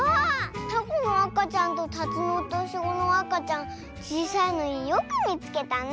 タコのあかちゃんとタツノオトシゴのあかちゃんちいさいのによくみつけたね。